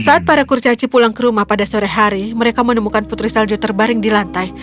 saat para kurcaci pulang ke rumah pada sore hari mereka menemukan putri salju terbaring di lantai